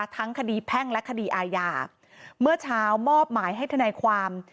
ทั้งคดีแพ่งและคดีอาญาเมื่อเช้ามอบหมายให้ทนายความ